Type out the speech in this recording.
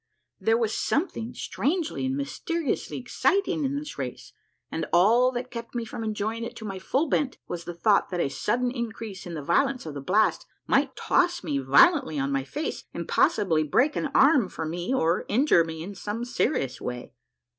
There was something strangely and mysteriously exciting in this race, and all that kept me from enjoying it to my full bent was the thought that a sudden increase in the violence of the 234 A MARVELLOUS UNDERGROUND JOURNEY blast might toss me violently on my face and possibly break an arm for me or injure me in some serious way.